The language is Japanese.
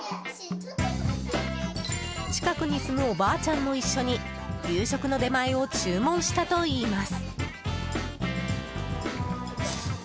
近くに住むおばあちゃんも一緒に夕食の出前を注文したといいます。